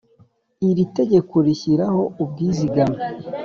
Iri tegeko rishyiraho ubwizigame